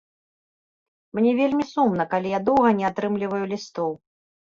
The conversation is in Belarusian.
Мне вельмі сумна, калі я доўга не атрымліваю лістоў.